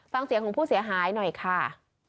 ฟังเสียงของผู้เสียหายหน่อยค่ะ